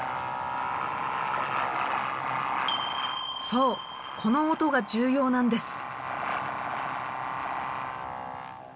そうこの音が重要なんです。